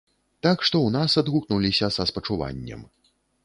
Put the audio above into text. Так што ў нас адгукнуліся са спачуваннем.